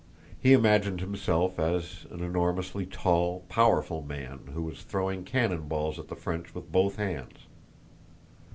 He imagined himself as an enormously tall, powerful man who was throwing cannon balls at the French with both hands.